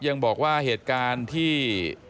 ยังบอกว่าเหตุการณ์ที่